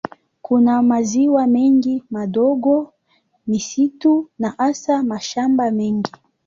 Kuna maziwa mengi madogo, misitu na hasa mashamba mengi.